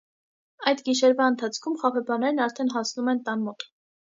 Այդ գիշերվա ընթացքում խաբեբաներն արդեն հասնում են տան մոտ։